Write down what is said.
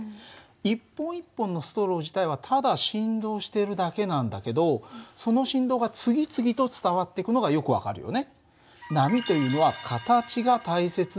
一本一本のストロー自体はただ振動しているだけなんだけどその振動が次々と伝わってくのがよく分かるよね。